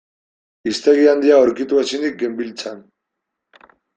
Hiztegi handia aurkitu ezinik genbiltzan.